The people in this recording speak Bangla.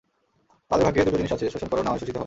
তাদের ভাগ্যে দুটো জিনিস আছে, শোষণ করো নাহয় শোষিত হও।